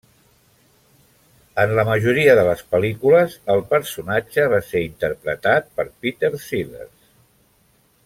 En la majoria de les pel·lícules, el personatge va ser interpretat per Peter Sellers.